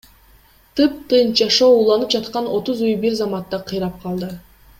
Тыптынч жашоо уланып жаткан отуз үй бир заматта кыйрап калды.